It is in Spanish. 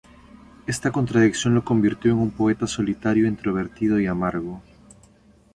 Esta contradicción lo convirtió en un poeta solitario, introvertido y amargo.